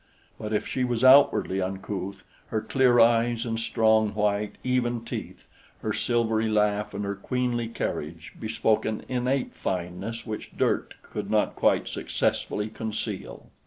But if she was outwardly uncouth, her clear eyes and strong white, even teeth, her silvery laugh and her queenly carriage, bespoke an innate fineness which dirt could not quite successfully conceal.